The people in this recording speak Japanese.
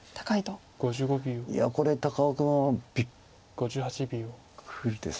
いやこれ高尾君びっくりです